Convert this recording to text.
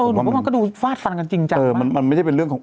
เหมือนว่ามันก็ดูฟาดฟันกันจริงจังเออมันมันไม่ใช่เป็นเรื่องของ